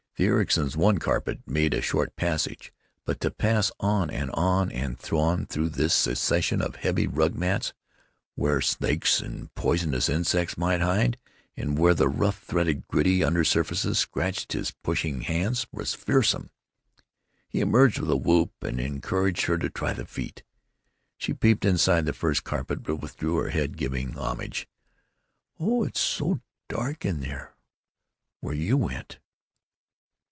The Ericsons' one carpet made a short passage, but to pass on and on and on through this succession of heavy rug mats, where snakes and poisonous bugs might hide, and where the rough threaded, gritty under surface scratched his pushing hands, was fearsome. He emerged with a whoop and encouraged her to try the feat. She peeped inside the first carpet, but withdrew her head, giving homage: "Oh, it's so dark in there where you went!"